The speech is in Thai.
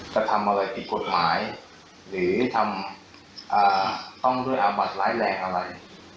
จะทำอะไรผิดกฎหมายหรือทำต้องด้วยอาบัติร้ายแรงอะไร